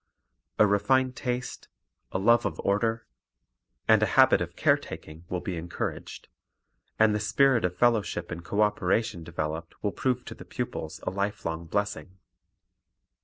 A refined taste, a love of order, and a habit Recreation 213 Encourage Helpfulness of care taking will be encouraged; and the spirit of fellowship and co operation developed will prove to the pupils a lifelong blessing.